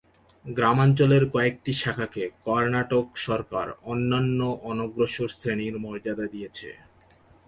গ্রামাঞ্চলের কয়েকটি শাখাকে কর্ণাটক সরকার অন্যান্য অনগ্রসর শ্রেণির মর্যাদা দিয়েছে।